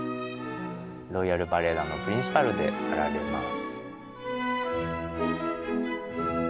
ロイヤル・バレエ団のプリンシパルであられます。